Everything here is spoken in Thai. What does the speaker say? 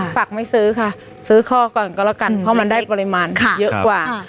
ฝักไม่ซื้อค่ะซื้อข้อก่อนก็แล้วกันเพราะมันได้ปริมาณเยอะกว่า